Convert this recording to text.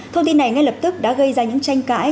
thông tin này ngay lập tức đã gây ra những tranh cãi